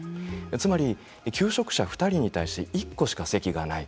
つまり求職者２人に対して１個しか席がない。